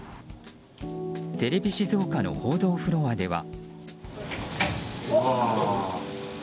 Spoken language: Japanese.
テレビ静岡の報道フロアでは。